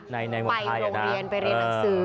ในเมืองไทยนะไปโรงเรียนไปเรียนหนังสือ